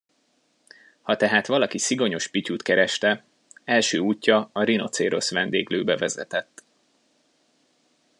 Ha tehát valaki Szigonyos Pityut kereste, első útja a Rinocérosz vendéglőbe vezetett.